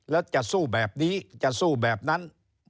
แล้วจะสู้แบบนี้จะสู้แบบนั้น